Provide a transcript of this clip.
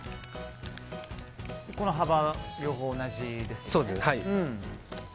この幅、両方同じですよね。